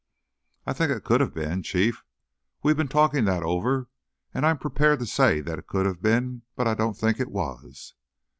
"I think it could have been, Chief; we've been talking that over, and I'm prepared to say that it could have been, but I don't think it was."